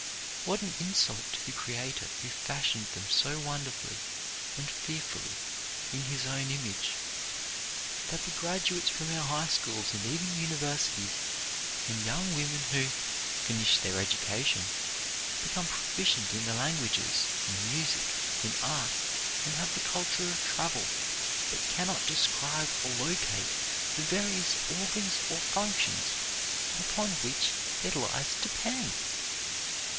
What an insult to the Creator who fashioned them so wonderfully and fearfully in His own image, that the graduates from our high schools and even universities, and young women who "finish their education," become proficient in the languages, in music, in art, and have the culture of travel, but can not describe or locate the various organs or functions upon which their lives depend!